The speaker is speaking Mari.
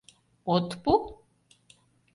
От пу?..